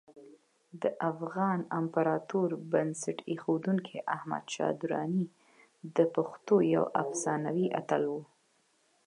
د افغان امپراتورۍ بنسټ ایښودونکی احمدشاه درانی د پښتنو یو افسانوي اتل و.